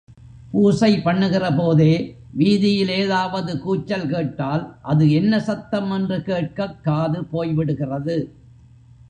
பூசை பண்ணுகிறபோதே, வீதியில் ஏதாவது கூச்சல் கேட்டால் அது என்ன சத்தம் என்று கேட்கக் காது போய்விடுகிறது.